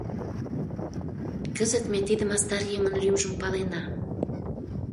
Кызыт ме тиде мастар еҥын лӱмжым палена.